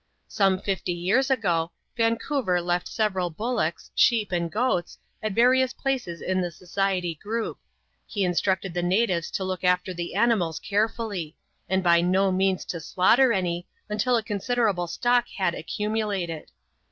Some fifty years ago, Vancouver left several bullocks, sheep, and goats, at Tarioos places in the Society group. He in structed the natives to look after the animals carefully ; and by no means to slaughter any, until a considerable stock had accu mulated.